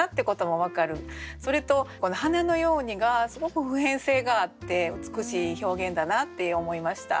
それとこの「花のように」がすごく普遍性があって美しい表現だなって思いました。